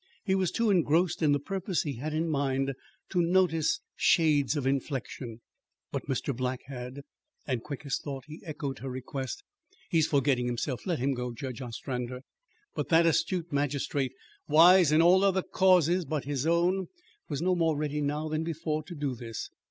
He was too engrossed in the purpose he had in mind to notice shades of inflection. But Mr. Black had, and quick as thought he echoed her request: "He is forgetting himself. Let him go, Judge Ostrander." But that astute magistrate, wise in all other causes but his own, was no more ready now than before to do this.